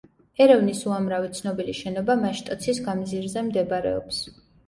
ერევნის უამრავი ცნობილი შენობა მაშტოცის გამზირზე მდებარეობს.